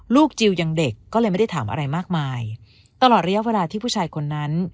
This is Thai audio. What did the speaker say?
จิลยังเด็กก็เลยไม่ได้ถามอะไรมากมายตลอดระยะเวลาที่ผู้ชายคนนั้น